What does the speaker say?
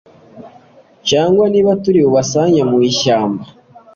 cyangwa niba turi bubasange mu ishyamba.